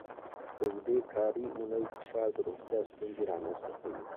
د اوږدې کاري اونۍ فشار د روغتیا ستونزې رامنځته کوي.